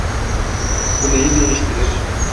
Bu neyi değiştirir?